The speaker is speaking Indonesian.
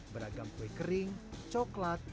beragam kue kering coklat